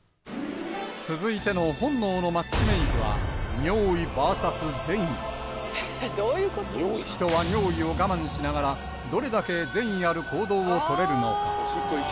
続いての本能のマッチメイクは人は尿意を我慢しながらどれだけ善意ある行動をとれるのか？